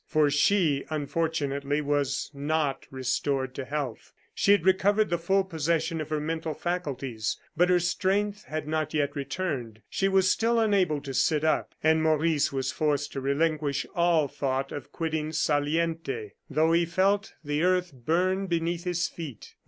For she, unfortunately, was not restored to health. She had recovered the full possession of her mental faculties, but her strength had not yet returned. She was still unable to sit up; and Maurice was forced to relinquish all thought of quitting Saliente, though he felt the earth burn beneath his feet.